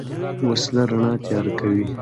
وسله رڼا تیاره کوي